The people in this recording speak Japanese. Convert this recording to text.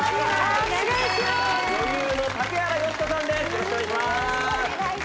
お願いします。